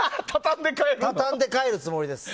畳んで帰るつもりです。